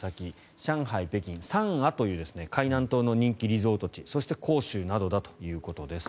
上海、北京、三亜という海南島の人気リゾート地そして広州などだということです。